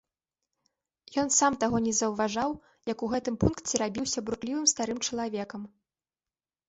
Ён сам таго не заўважаў, як у гэтым пункце рабіўся бурклівым старым чалавекам.